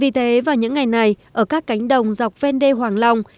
vì thế vào những ngày này ở các cánh đồng dọc ven đê hoàng long